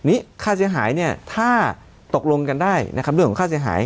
ค่าเสียหายเนี่ยถ้าตกลงกันได้นะครับเรื่องของค่าเสียหาย